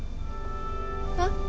えっ？